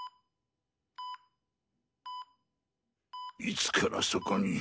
いつからそこに？